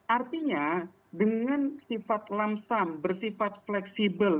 artinya dengan sifat lamsam bersifat fleksibel